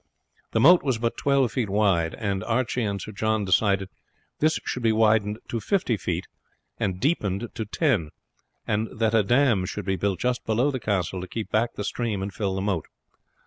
The moat was but twelve feet wide, and Archie and Sir John decided that this should be widened to fifty feet and deepened to ten, and that a dam should be built just below the castle to keep back the stream and fill the moat.